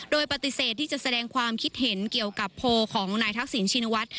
โดยปฏิเสธที่จะแสดงความคิดเห็นเกี่ยวกับโพลของนายทักษิณชินวัฒน์